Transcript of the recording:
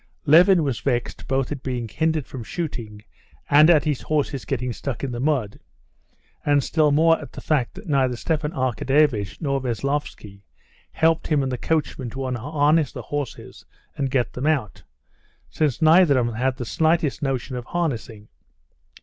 Levin was vexed both at being hindered from shooting and at his horses getting stuck in the mud, and still more at the fact that neither Stepan Arkadyevitch nor Veslovsky helped him and the coachman to unharness the horses and get them out, since neither of them had the slightest notion of harnessing.